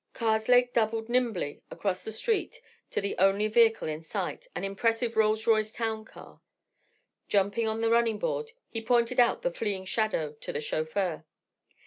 Karslake doubled nimbly across the street to the only vehicle in sight, an impressive Rolls Royce town car. Jumping on the running board he pointed out the fleeing shadow to the chauffeur.